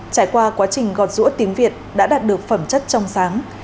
trải qua quá trình gọt rũa tiếng việt đã đạt được phẩm chất trong sáng